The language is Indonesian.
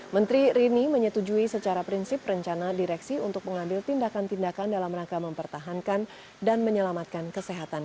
menteri rini menyetujui secara prinsip rencana direksi untuk mengambil tindakan tindakan dalam rangka mempertahankan dan menyelamatkan kesehatan